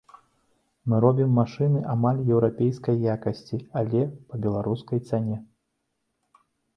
Мы робім машыны амаль еўрапейскай якасці, але па беларускай цане.